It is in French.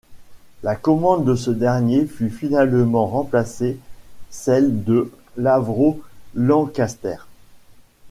La commande de ce dernier fut finalement remplacée celle de l'Avro Lancaster.